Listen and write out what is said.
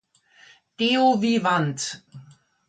Deo Vivant.